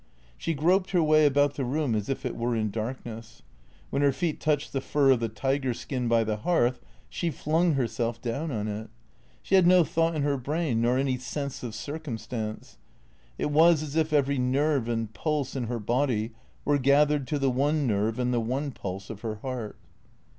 She groped her way about the room as if it were in darkness. When her feet touched the fur of the tiger skin by the hearth she flung herself down on it. She had no thought in her brain nor any sense of circumstance. It was as if every nerve and pulse in her body M ere gathered to the one nerve and the one pulse of her heart.